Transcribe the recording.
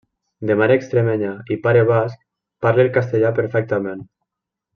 De mare extremenya i pare basc, parla el castellà perfectament.